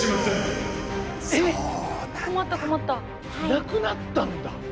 なくなったんだ。